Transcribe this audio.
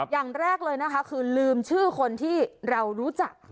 อย่างแรกเลยนะคะคือลืมชื่อคนที่เรารู้จัก